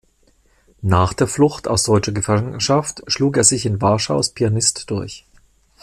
Nach der Flucht aus deutscher Gefangenschaft schlug er sich in Warschau als Pianist durch.